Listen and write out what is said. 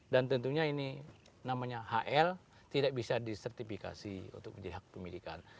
dan tentunya ini namanya hl tidak bisa disertifikasi untuk menjadi hak pemilikan